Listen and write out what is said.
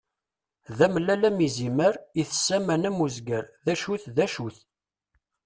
D amellal am izimer, ites aman am uzger. D acu-t, d acu-t?